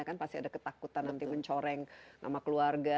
kan pasti ada ketakutan nanti mencoreng nama keluarga